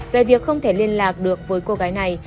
về việc không thể liên lạc được với cô gái này